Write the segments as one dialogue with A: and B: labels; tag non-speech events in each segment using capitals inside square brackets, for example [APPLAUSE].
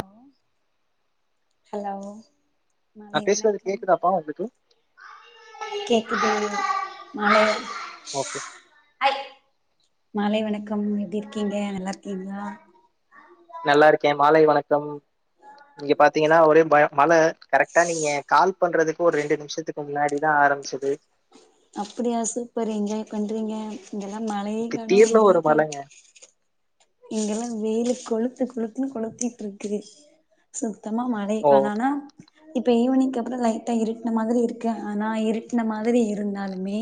A: Hello hello மாலை
B: நான் பேசுறது
A: வணக்கம்
B: கேக்குதாப்பா உங்களுக்கு
A: கேக்குதுங்க நல்லா
B: ஓகே
A: மாலை வணக்கம் எப்டி இருக்கீங்க நல்லா இருக்கீங்களா
B: நல்லா இருக்கேன் மாலை வணக்கம் நீங்க பாத்தீங்கன்னா ஒரே பயம் மழ கரெக்ட்டா நீங்க கால் பண்றதுக்கு ஒரு ரெண்டு நிமிஷத்துக்கு முன்னாடி தான் ஆரமிச்சுது
A: அப்டியா சூப்பர் என்ஜாய் பண்றீங்க இங்கெல்லா மழயே காணோ
B: திடீர்னு
A: ஒன்னு
B: ஒரு
A: காணோ
B: மழைங்க
A: இங்கெல்லா வெயிலு கொளுத்து கொளுத்துன்னு கொளுத்திட்டு இருக்குது சுத்தமா மழையே
B: ஓ
A: கானான இப்ப ஈவினிங் அப்புற லைட்டா இருட்டுன மாதிரி இருக்கு ஆனா இருட்டின மாதிரி இருந்தாலுமே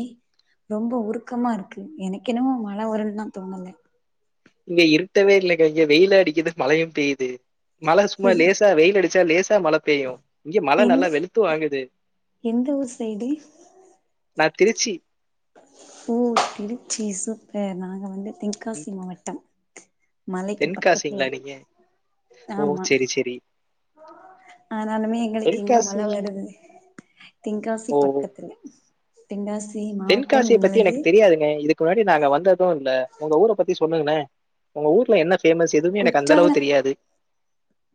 A: ரொம்ப உருக்கமா இருக்கு எனக்கு என்னமோ மழ வரும்ன்னுதா தோணல
B: இங்க இருட்டவே இல்லைக்க இங்க வெயிலு அடிக்குது மழையும் பெய்யுது மழ சும்மா
A: எந்
B: லேசா வெயில் அடி ச் ச லேஸ் மழ பெய்யு இங்க மழ நல்லா
A: எந்த
B: வெளுத்து வாங்குது
A: எந்த ஊர் சைடு
B: நா திருச்சி
A: ஓ திருச்சி சூப்பர் நாங்க வந்து
B: ம்,
A: தென்காசி மாவட்டம் மலைக்கு
B: தென்காசிங்களா
A: பக்கத்துலயே
B: நீங்க ஓ
A: ஆமா
B: சரி சரி
A: ஆனாலுமே எங்களுக்கு இங்க மழ
B: தென்காசி
A: வருது தென்காசி
B: ஓ
A: பக்கத்துல தென்காசி தி மாவட்ட
B: தென்காசிய பத்தி எனக்கு தெரியாதுங்க இதுக்கு முன்னாடி நா அங்க வந்ததும் இல்ல உங்க ஊர பத்தி சொல்லுங்களே உங்க ஊர்ல என்ன பேமஸ் எதுவுமே எனக்கு அந்த அளவுக்கு
A: குற்றாலம்
B: தெரியாது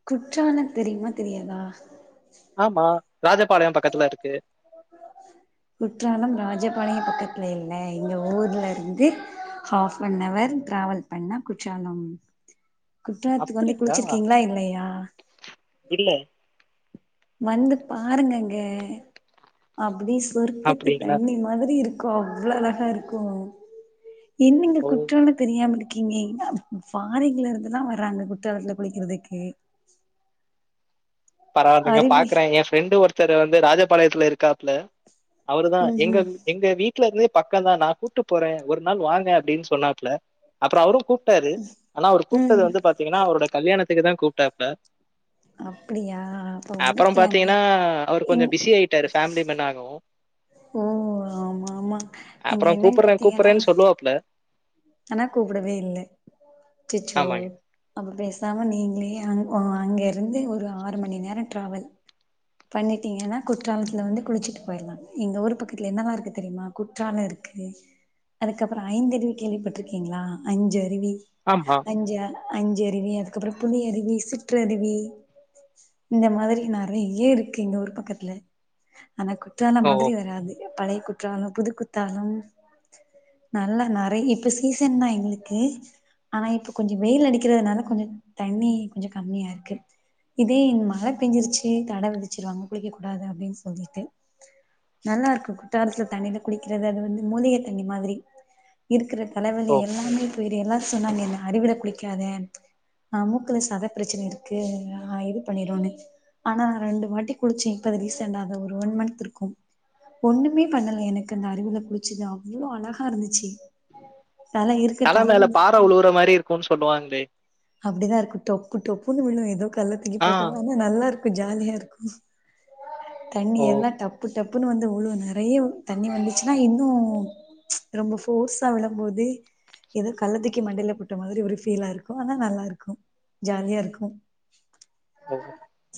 A: குற்றாலம் தெரியுமா தெரியாதா
B: ஆமா ராஜபாளையம் பக்கத்துல இருக்கு.
A: குற்றாலம் ராஜப்பாளைய பக்கத்து ல்ல எங்க ஊர்ல இருந்து ஹாப் அன் அவர் டிராவல் பண்ணா குற்றாலம் குற்றாலத்துக்கு வந்து
B: அப்படிங்களா?
A: குளுச்சிருக்கீங்களா இல்லையா
B: இல்ல
A: வந்து பாருங்கங்க அப்டி சொர்க்கத்து
B: அப்படிங்களா?
A: தண்ணி மாதிரி இருக்கு அவ்ளோ அழகா இருக்கு என்னங்க
B: ஓ!
A: குற்றால தெரியாம இரு இருக்கீங்க ஃபாரின்லா இருந்து எல்லா வர்றாங்க குற்றாலத்ல குளிக்குறதுக்கு
B: பரவாலைங்க பாக்குறே என் ஃப்ரெண்டு ஒரு ஒருத்தரு வந்து ராஜபாளையத்ல இருக்காப்ல அவருதா எங்க
A: ம்ஹும்
B: எங்க வீ வீட்ல இருந்தே பக்கந்தா நா கூட்டு போற ஒரு நாள் வாங்க அப்டின் சொன்னாப்புல அப்புறோ அவரு கூப்டாரு ஆனா அவர் கூப்டது
A: ம்ஹும்
B: வந்து பாத்தீங்கன்னா அவரோட கல்யாணத் த்துக்குதா கூப்டாப்ல
A: ஆ
B: அப்புறோம் பாத்தீங்கன்னா அவரு கொஞ்சோ
A: இங்
B: பிஸி ஆயிட்டாரு ஃபேமிலி மேன் ஆகவு ஆகவும்
A: ஓ ஆமா ஆமா இங்க
B: அப்புறோ
A: என்னன்னு
B: கூப்புற
A: பாத்தீங்கன்னா
B: கூப்புறன் சொல்லுவாப்புல
A: ஆனா கூப்டவே இல்ல அச்சசோ
B: ஆமாங்க.
A: ஆமா பேஸ் சாம நீங்களே அங்க இருந்து ஒரு ஆறு மணி நேரோ டிரேவல் பண்ணிட்டீங்கன்னா குற்றாலத்துல வந்து குளுச்சுட்டு போயிர்லா எங்க ஊர் பக்கத்துல என்னெல்லா இருக்கு தெரியுமா குற்றாலோ இருக்கு அதுக்கப்புறோ ஐந்து அருவி கேள்விப்பட் ட்ருக்கீங்களா அஞ்சு அருவி
B: ஆமா.
A: அஞ்சா அஞ்சு அருவி அதுக்கப்புறோ புளி அருவி சுற்றருவி இந்த மாதிரி நறையே இருக்கு எங்க ஊர் பக்கத்துல ஆனா குற்றாலோ
B: ஓ!
A: மாதிரி வராது பழைய குற்றாலோ புது குத்தாலம் நல்லா நறையி இப் இப்ப சீசன்தா எங்களுக்கு ஆனா இப்ப கொஞ்சோ வெயில் அடிக்கர்ததுனால கொஞ்சோ தண்ணி கொஞ்சோ கம்மியா இருக்கு இதே மழ பேஞ்சுருச்சு தட விதிச்சுருவாங்க குளிக்க கூடாது அப்டின் சொல்லிட்டு நல்லா இருக்கு குற்றாலத்துல தண்ணில குளிக்கிறது அது வந்து மூலிக தண்ணி மாதிரி இருக்குறத் தலவலி
B: ஓ!
A: எல்லாமே து வேர் எல்லாரு சொன்னாங்க என்ன அருவில குளிக்காதன் நா மூக்குல சதப்பிரச்சன இருக்கு ஆ இது பண்ணிருன்னு ஆனா நா ரெண்டு வாட்டி குளுச்சே இப்பதா ரீசெண்டாதா ஒரு ஒன் மந்த் இருக்கும் ஒண்ணுமே பண்ணல எனக்கு அந்த அருவில குளுச்சுது அவ்ளோ அழகா இருந்துச்சி தல இருக்கு
B: மேல
A: தலவலி
B: பார
A: இன்னும்
B: உழுவுற மாரி இருக்கும்னு சொல்லுவாங்களே!
A: அப்டிதா இருக்கு டொப்பு டொப்புன்னு விழு ஏதோ கல்ல தூக்கி
B: ஆ.
A: போட்டவனா ரொம்ப நல்லா இருக் கு ஜாலியா இருக்கு தண்ணி
B: ஓ!
A: எல்லா டப்பு டப்புன்னு வந்து உழு நறையா தண்ணி வந்துச்சுன்னா இன்னு ரொம்ப ஃபோர்ஸ் தல மேல விழும் போது எதோ கள்ளத்தூக்கி மண்டயில போட்ட மாரி ஒரு ஃபீலா இருக்கு ஆனா நல்லா இருக்கு ஜாலியா இருக்கு
B: ஓ!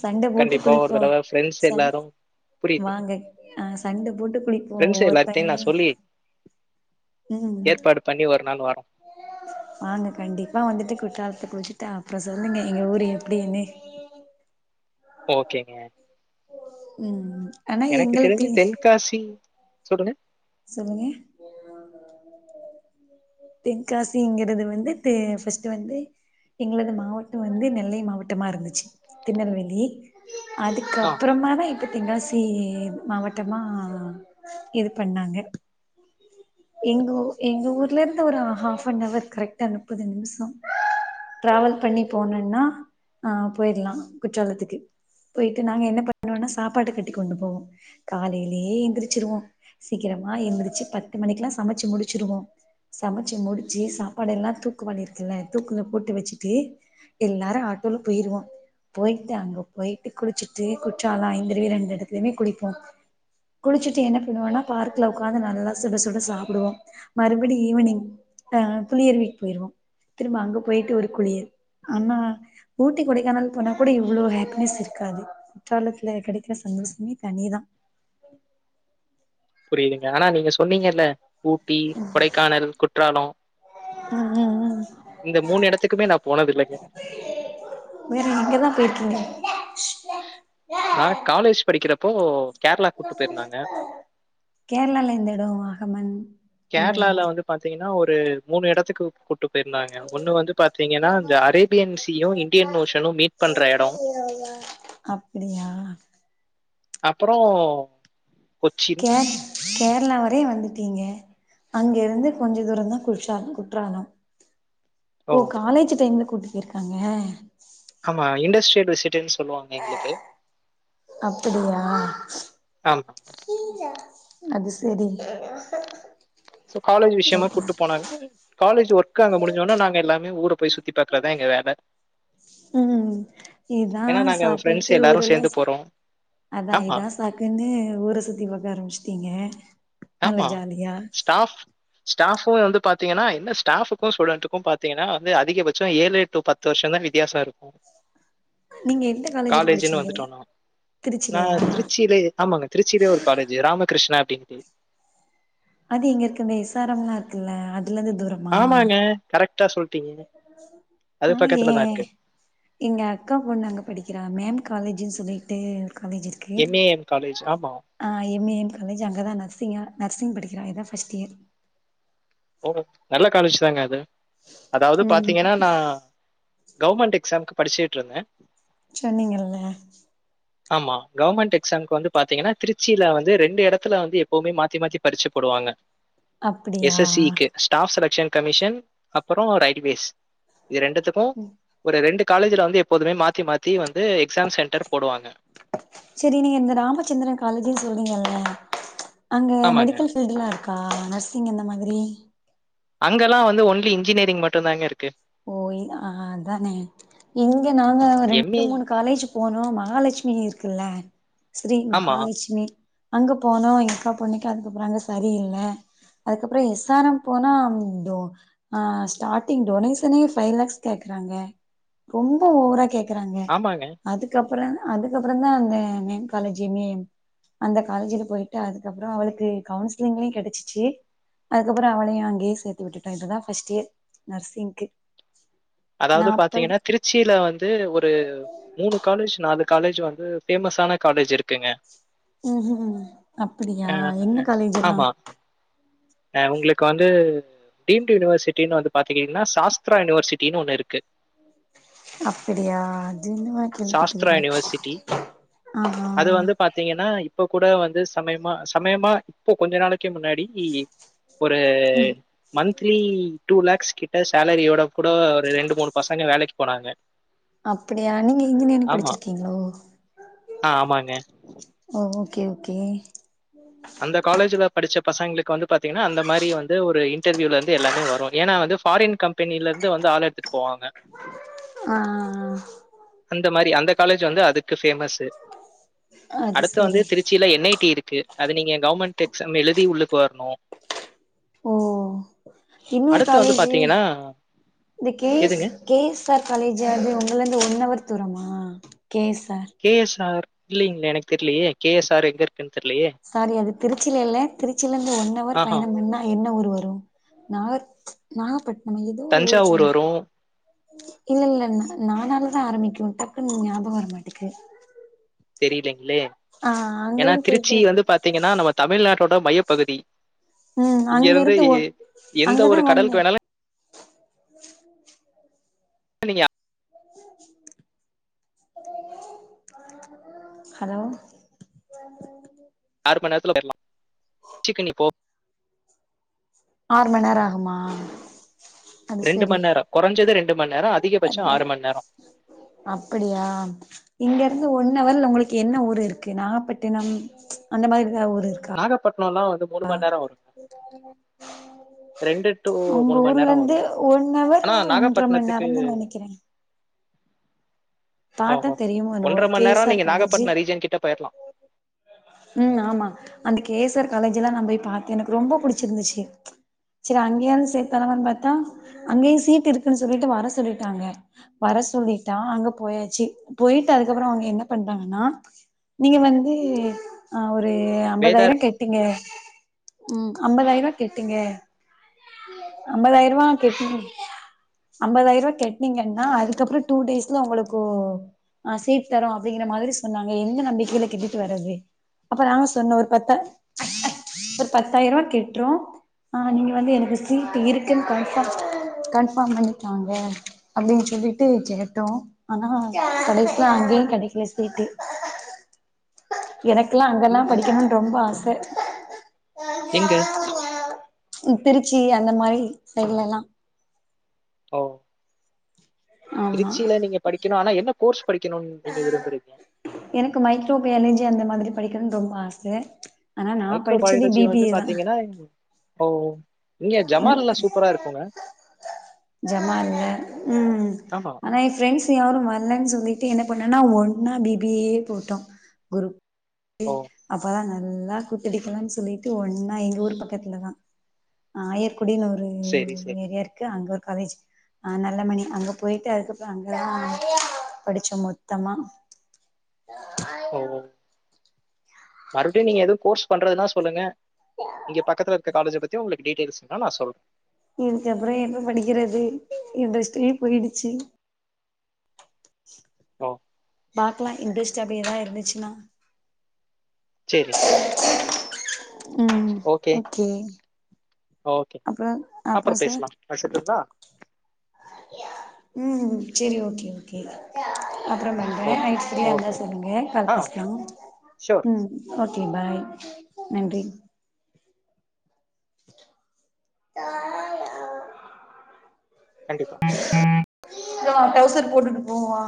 A: சண்ட போட்டு
B: கண்டிப்பா ஒரு
A: குளிப்போ
B: தடவ ஃப்ரெண்ட்ஸ்
A: சண்
B: எல்லாரும் புரியுது.
A: வாங்க ஆ சண்ட போட்டு குளிப்போ
B: ஃப்ரெண்ட்ஸ்
A: ஒவ்வொரு
B: எல்லார்ட்டயும்
A: டைமு
B: நான் சொல்லி ஏற்பாடு பண்ணி ஒரு நாள் வரோம்.
A: வாங்க கண்டிப்பா வந்துட்டு குற்றாலத்துல குளுச்சுட்டு அப்புறோ சொல்லுங்க எங்க ஊரு எப்டின்னு
B: ஓகேங்க
A: ம் ஆனா
B: எனக்கு தெருஞ்சு
A: எங்களுக்கு
B: தென்காசி சொல்லுங்க
A: சொல்லுங்க தென்காசிங்குறது வந்து தே ஃபஸ்ட்டு வந்து எங்களது மாவட்டோ வந்து நெல்லை மாவட்டமா இருந்துச்சு திருநெல்வேலி
B: ஆ
A: அதுக்கப்றமாதா இப்ப தென்காசி மாவட்டமா இருக்கு பண்ணாங்க எங்க ஊர் எங்க ஊர்ல இருந்து ஒரு ஹாப்னவர் கரெக்டா முப்பது நிமிஷோ டிராவல் பண்ணி போனுனா அ போயிட்லா குற்றாலத்துக்கு போயிட்டு நாங்க என்ன பண்ணுவோனா சாப்பாடு கட்டி கொண்டு போவோ காலயிலயே எந்திரிச்சிருவோ சீக்கிரமா எந்திரிச்சி பத்து எட்டு மணிக்கெலா சமச்சு முடிச்சிருவோ சமச்சு முடிச்சு சாப்பாடு எல்லா தூக்கு பானயில இருக்குல்ல தூக்குல போட்டு வச்சுட்டு எல்லாரு ஆட்டோல போயிருவோ போயிட்டு அங்க போயிட்டு குளிச்சிட்டு குற்றால ஐந்தரவி ரெண்டு எடத்ல்லமே குளிப்போ குளிச்சுட்டு என்ன பண்ணுவோன்னா பார்க்ல ஒக்காந்து நல்லா சுட சுட சாப்டுவோ மறுபடி ஈவினிங் ஆ புலிஅருவிக்கு போயிருவோ திரும்ப அங்க போயிட்டு ஒரு குளியல் ஆனா ஊட்டி கொடைக்கானல் போனா கூட இவ்ளோ ஹேப்பினஸ் இருக்காது குற்றாலத்ல கெடக்ற சந்தோஷமே தனிதா
B: பெரியங்க ஆனா நீங்க சொன்னீங்கல்ல ஊட்டி கொடக்கானல் குற்றாலோ
A: உம் உம்
B: இந்த மூனு எடத்துக்குமே நா போனதில்ல
A: வேற எங்கதா [UNINTELLIGIBLE]
B: நா காலேஜ் படிக்கிறப் ஓஓ
A: கேரளால எந்த இடம் அகமன் அந்த இட
B: செ மூனு எடத்துக்கு கூட்டு போயிருந்தாங்க ஒன்னு வந்து பாத்தீங்கனா இந்த Arabian sea Indian ocean meet பண்ற எடோ
A: அப்டியா
B: அப்பறோ கொச்சின்
A: கே கேரளா வரே வந்துட்டீங்க அங்க இருந்து கொஞ்ச தூரந்தா குற்ற குற்றாலம் ஓ காலேஜ் டைம்ல கூட்டு போயிருக்காங்க
B: ஆமா இண்டஸ்ட் பெரசிடென்ஸ் சொல்லுவாங்க எங்களுக்கு
A: அப்படியா
B: ஆமா
A: அது செரி
B: சோ காலேஜ் விஷயமா கூப்ட்டு போனாங்க காலஜ் ஒர்க்க அங்க முடிஞ்சோனா நாங்க எல்லாமே ஊர போய் சுத்தி பாக்குறதுதா எங்க வேல
A: உம் இதா
B: ஏன்னா, நாங்க ஃப்ரெண்ட்ஸ்
A: சாக்குன்ட்டு
B: எல்லாரும்
A: ஊரெல்லா
B: சேர்ந்து போறோம்.
A: சுத்ஸஅதா
B: ஆமா,
A: இதா சாக்குன்னு ஊர சுத்தி பாக்க ஆரம்பிச்ட்டீங்க
B: ஆமா ஸ்டாப்-ஸ்டாப் இப்ப வந்து பாத்தீங்கனா என்ன ஸ்டாபுக்கு ஸ்டுடென்ட்க்கு பாத்தீங்கனா வந்து அதிகபட்சோ ஏழு எட்டு பத்து வருஷோதா வித்தியாசோ இருக்கு
A: நீங்க எந்த காலேஜ்ல
B: காலேஜ்ன்னு
A: படிச்சீங்க
B: வந்துட்டோனா நா
A: திருச்சிலயா
B: திருச்சியிலே ஆமாங்க திருச்சியிலயே ஒரு காலேஜ் ராமகிருஷ்ணா [UNINTELLIGIBLE]
A: அது எங்க இருக்கு இந்த எஸ் ஆர் எம் லா இருக்குல்ல அது
B: ஆமாங்க கரெக் டா சொல்
A: ஆ ஏன்
B: இருக்கு.
A: எங்க அக்கா பொண்ணு அங்க படிக்கிறா மேம் காலேஜு சொல்லிட்டு காலேஜ் இருக்கு
B: எம்.ஏ.எம் காலேஜ். ஆமா.
A: ஆ எம் ஏ எம் காலேஜு அங்கதா நர்சிங்கா நர்சிங் படிக்கிறா இதா ஃபர்ஸ்ட் இயர்
B: ஓஹோ நல்ல காலேஜ் தாங்க அது அதாவது
A: ம்
B: பாத்தீங்கன்னா நா கவுர்மெண்ட் எக்ஸாம்க்கு படிச்சுட்ருந்தே
A: சொன்னீங்கல்ல
B: ஆமா கவர்மெண்ட் எக்ஸாம்க்கு வந்து பாத்தீங்கன்னா திருச்சியில வந்து ரெண்டு எடத்துல வந்து எப்பவுமே மாத்தி மாத்தி பரிச்ச போடுவாங்க
A: அப்பிடியா
B: எஸ்எஸ்சிக்கு ஸ்டாஃப் செலக்ஷன் கமிஷன் அப்புறோ ரயில்வேஸ் இது ரெண்டுத்துக்கு ஒரு ரெண்டு காலேஜ்ல வந்து எப்போதுமே மாத்தி மாத்தி வந்
A: செரி நீங்க இந்த ராமச்சந்திர காலேஜு சொன் னீங்கல்ல அங்க
B: ஆமாங்க.
A: மெடிக்கல் ஃபீல்டுல்லா இரு க்கா நர்சிங் அந்த மாதிரி
B: அங்கல்லா வந்து ஓன்லி இன்ஜினியரிங் மட்டுந்தாங்க இருக்கு
A: ஓ இ அ அதானே இங்க நாங்க ரெண்டு
B: எம்.ஏ
A: மூணு காலேஜ் போனோ மகாலட்சுமி இரு க்கல்ல ஸ்ரீ
B: ஆமா.
A: மஹாலட்சுமி அங்க போனோ எங்க அக்கா பொண்ணுக்கு அதுக்கப்புறோ அங்க சரியில்ல அதுக்கப்புறோ எஸ் ஆர் எம் போனோ ம் டோ ஆ ஸ்டார்ட்டிங் டொனே ஷனே ஃபைவ் லாக்ஸ் கேக்கறாங்க ரொம்ப ஓவரா கேக் கறாங்க
B: ஆமாங்க.
A: அதுக்கப் அப்புறோ அதுக்கப்புறந்தா அந்த மேம் காலேஜு மேம் அந்த காலேஜுல போயிட்டு அதுக்கப்புறோ அவளுக்கு கவுன்சிலிங்லயு கெடைச்சிச்சு அதுக்கப்புறோ அவளையு அங்கயே சேத்து விட்டுட்டோ இதுடா ஃபர்ஸ்ட் இயர் நர்சிங்க்கு நா
B: அதாவது
A: படி
B: பாத்தீங்கன்னா திருச்சியில வந்து ஒரு மூணு காலேஜ் நாலு காலேஜ் வந்து ஃபேமஸான காலேஜ் இருக்குங்க
A: ம்ஹூம் அப்புடியா
B: அ
A: என்ன காலேஜ்ஜுதா
B: ஆமா. உங்களுக்கு வந்து டீம்டி யூனிவர்சிட்டின்னு வந்து பாத்தீங்கன்னா சாஸ்துரா யூனிவர்சிட் டின் ஒண்ணு இருக்கு
A: அப்புடியா
B: சாஸ்திரா யூனிவர்சிட்டி
A: [UNINTELLIGIBLE] ஆமா
B: இப்ப கூட வந்து சமயமா சமயமா இப்போ கொஞ்ச நாளைக்கு முன்னாடி ஒரு
A: ம்
B: மன்த்லி டூ லேக்ஸ் கிட்ட சேலரியோட கூட ஒரு ரெண்டு மூணு பசங்க வேலைக்கு போனாங்க
A: அப் அப்புடியா நீங்க இன்ஜினியரிங்
B: ஆமா
A: படுச்சுருக்கீங்களோ
B: ஆ ஆமாங்க
A: ஓ ஓகே ஓகே
B: அந்த காலேஜ்ல படுச்ச பசங்களுக்கு வந்து பாத்தீங்கன்னா அந்த மாரி வந்து ஒரு இன்டர்வியூல இருந்து எல்லாமே வரு ஏனா வந்து ஃபாரின் கம்பெனில இருந்து வந்து ஆள் எடுத்துட்டு போவாங்க
A: ஆ ஆ ஆ
B: இந்த மாதிரி அந்த காலேஜ் வந்து அதுக்கு ஃபேமஸ்ஸு
A: அது
B: அடுத்து வந்து
A: சரி
B: திருச்சியில என் ஐடி இருக் க்கு அது நீங்க கவுமெண்ட் எக்ஸாம் எழுதி உள்ளுக்கு வர்ணு
A: ஓ இன்னொரு காலேஜ்ஜு இந்த கேஸ்
B: எதுங்க
A: கேஸ் ஆர் காலேஜ்ஜு அது உங்ள இருந்து ஒன்னவர் தூரமா கே சார்
B: இல்லைங்களா எனக்கு தெர்லியே கே எஸ் ஆர் எங்க இருக்குன்
A: சாரி அது திருச்சில இல்ல திருச்சில இருந்து ஒன் அவர்
B: ஆஹா
A: பயணம் பன்னா என்ன ஊர் வரு நார் நாகப்பட் நம்ம எதோ ஒரு ஊரு
B: தஞ்சாவூர்
A: சொன்னோமே
B: வரும்
A: இல்ல இல்ல நானாலதா ஆரம்பிக்கு டக்குன் ஞாபகோ வர மாட்டேக்கு
B: தெரிலிங்களே ஏன்னா திருச்சி
A: போயிட்டு
B: வந்து பாத்தீங்கன்னா நம்ம தமிழ்நாட்டோ ட மையப்பகுதி
A: ம் அங்க இருந்து ஒ
B: எந்த
A: அங்கதா
B: ஒரு
A: வந்த
B: கடலுக்கு வேணாலும் நீங்கா
A: [UNINTELLIGIBLE] ஹலோ
B: அறு மண் நேரத்துல போயிர்லா சிக்கு நீ போ
A: ஆறு மணி நேரம் ஆகுமா அது
B: ரெண்டு
A: செரி
B: மணி நேரம் குறைஞ்சது ரெண்டு மணி நேரம் அதிகபட்சம் ஆறு மணி நேரம்
A: அப்படியா இங்க இருந்து ஒன்னவர்ல உங்களுக் என்ன ஊர் இருக்கு நாகப்பட்டினம் அந்த மாதிரி வேற ஊர் இருக்கா
B: டினம்லாம் வந்து முணு மணி நேரம் வரும் ரெண்டு டு
A: உங்க
B: மூணு மணி
A: ஊர்ல
B: நேரம்
A: இருந்து
B: வரும்
A: ஒன் அவர்
B: ஆனா
A: ஒன்றரை மணி
B: நாகப்பட்டினத்துக்கு
A: நேரம் தான் நெனைக்கிறேன்
B: ஆ ஓ
A: என்னவோ
B: ஒன்றரை மணி
A: கே எஸ்
B: நேரம்
A: ஆர்
B: நீங்க
A: காலேஜு
B: நாகப்பட்டினம் ரீஜன் கிட்ட போய்ரலாம்
A: ம் ஆமா அந்த கே எஸ் ஆர் காலேஜ் எல்லாம் நான் போய் பார்த்தேன் எனக்கு ரொம்ப பிடிச்சிருந்துச்சு செரி அங்கேயாவது சேர்த்தாலாப்ன்னு பார்த்தா அங்கேயும் சீட் இருக்குன்னு சொல்லிட்டு வர சொல்லிட்டாங்க வர சொல்லிட்டா அங்க போயாச்சு போயிட்டு அதுக்கப்புறம் அவுங்க என்ன பண்டாங்கன்னா நீங்க வந்து ஆ ஒரு
B: வேதார
A: ஐம்பதாயிரம் கெட்டிங்க ம் ஐம்பதாயிரம் கெட்டீங்க ஐம்பதாயிரம் ரூவா கெட்டு ஐம்பதாயிரம் ரூவா கெட்டனீங்கன்னா அதுக்கப்புறம் டூ டேஸ்ல உங்களுக்கு ஆ சீட் தரும் அப்படிங்கற மாதிரி சொன்னாங்க எந்த நம்பிக்கையில கெட்டிட்டு வர்றது அப்ப நாங்க சொன்னோம் ஒரு பத்த ஒரு பத்தாயிரம் ரூவாய கெட்டுறோம் ஆ நீங்க வந்து எனக்கு சீட்டு இருக்குன்னு கன்ஃபார்ம் பண்ணிட்டாங்க அப்படின்னு சொல்லிட்டு கேட்டோம் ஆனா கடைசில அங்கேயும் கெடைக்கல சீட்டு எனக்குக்கெல்லாம்
B: இல்ல
A: அங்கெல்லாம் படிக்கணும்னு ரொம்ப ஆசை
B: எங்க
A: திருச்சி அந்த மாதிரி சைடுலல்லாம்
B: ஓ திருச்சியில நீங்க படிக் கனும் ஆனா என்ன கோர்ஸ் படிக்கணும்னு
A: ஆ
B: நீங்க விரும்புறீங்க
A: எனக்கு மைக்ரோபயாலஜி அந்த மாதிரி படிக்கனும்றது ரொம்ப ஆசை
B: மைக்ரோ பயாலஜி வந்து பாத்தீங்கன்னா ஓ இங்க ஜமால்ல சூப்பரா இருக்குங்க
A: ஜமால்ல ம்
B: ஆமா
A: ஆனா என் ப்ரெண்ட்ஸ் யாரும் வரலன்னு சொல்லி ட்டு என்ன பண்ணேனா ஒன்னா பி பி ஏ யே போட்டோம் குரு
B: ஓ
A: அப்பதான் நல்லா குத்தடிக்கலாம்னு சொல்லிட்டு ஒன்னா எங்க ஊர் பக்கத்துலதான் ஆயர் குடின்னு ஒரு
B: சரி சரி
A: ஏரியா இருக்கு அங்க காலேஜ் ஆ நல்லமணி அங்க போய்ட்டு அக்கப்புறம் அங்கதான் படிச்சோம் மொத்தமா
B: ஓ மறுபடியும் நீங்க எதுவும் கோர்ஸ் பண்றதுனா சொல்லுங்க இங்க பக்கத்துல இருக்க காலேஜு பத் ச்சு உங்களுக்கு டீட்டெல்ஸ்ங்களா நா சொல்
A: இதுக்குப்புறோ என்ன படிக்கிறது இன்ட்ரெஸ்ட்டே போயிடுச்சு
B: ஓ
A: பாக்கலா இன்ட்ரெஸ்ட் அப்டி எதா இருந்துச்சுன்னா
B: சேரி
A: ம் ஓகே
B: ஓகே
A: அப்புறோ அப்புறோ
B: அப்புறம்
A: சார்
B: பேசலாம் வச்சுட்டுங்களா
A: ம் சேரி ஓகே ஓகே அப்புறம் பண்ற
B: ஓகே
A: நைட் ஃப்ரீயா இருந்தா
B: ஓகே
A: சொல்லுங்க கால்
B: ஆ ஓகே
A: பேசுலாம்
B: ஷூர்
A: ம் ஓக் ஓகே பாய் நன்றி
B: கண்டிப்பா
A: இங்க வா டவுசர் போட்டுட்டு போவா